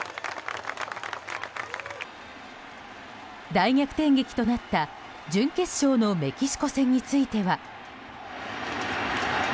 大逆転劇となった準決勝のメキシコ戦については。